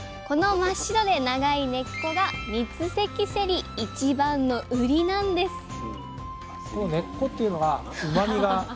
この真っ白で長い根っこが三関せり一番のウリなんです